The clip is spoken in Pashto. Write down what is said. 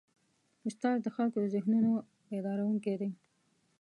استاد د خلکو د ذهنونو بیدارونکی دی.